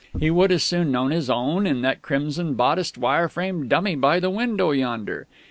He would as soon known his Own in that crimson bodiced, wire framed dummy by the window yonder!...